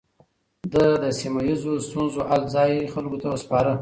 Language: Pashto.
ده د سيمه ييزو ستونزو حل ځايي خلکو ته سپاره.